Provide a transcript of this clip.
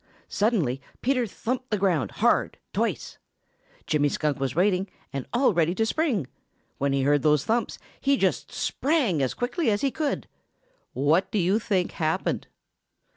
Suddenly Peter thumped the ground hard, twice. Jimmy Skunk was waiting and all ready to spring. When he heard those thumps, he just sprang as quickly as he could. What do you think happened?